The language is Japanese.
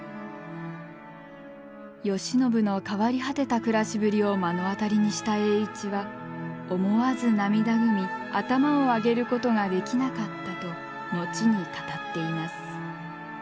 慶喜の変わり果てた暮らしぶりを目の当たりにした栄一は思わず涙ぐみ頭を上げることができなかったと後に語っています。